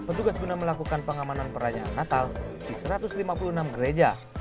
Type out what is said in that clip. petugas guna melakukan pengamanan perayaan natal di satu ratus lima puluh enam gereja